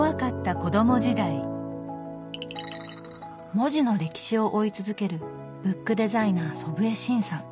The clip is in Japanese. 文字の歴史を追い続けるブックデザイナー祖父江慎さん。